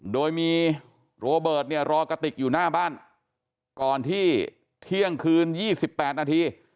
โดยมีโรเบิร์ตเนี่ยรอกะติกอยู่หน้าบ้านก่อนที่เที่ยงคืน๒๘นาที